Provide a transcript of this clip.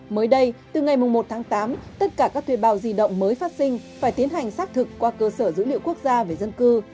mới đây từ ngày một tháng tám tất cả các thuê bào di động mới phát sinh phải tiến hành xác thực qua cơ sở dữ liệu quốc gia về dân cư